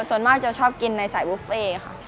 ส่วนมากจะชอบกินในสายบุฟเฟ่ค่ะ